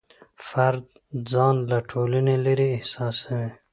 فرد ځان له ټولني لرې احساسوي.